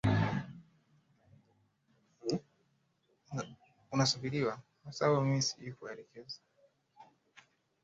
mwaka elfu moja mia tisa sitini na moja wakati nchi ilipopata uhuru